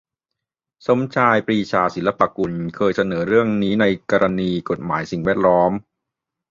สมชาย ปรีชาศิลปกุล เคยเสนอเรื่องนี้ในกรณีกฎหมายสิ่งแวดล้อม